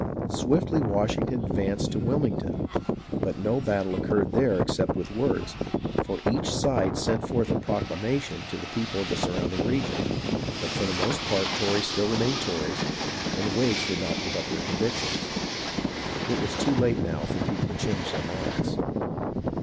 Swiftly Washington ad vanced to Wilmington, but no battle occurred there except with words, for each side sent forth a " proclamation " to the people of the surrounding region. But for the most part Tories still remained Tories, and the Whigs did not BRANDYWINE AND GERMANTOWN 21 5 give up their convictions. It was too late now for people to change their minds.